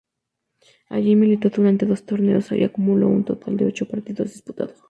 Allí militó durante dos torneos y acumuló un total de ocho partidos disputados.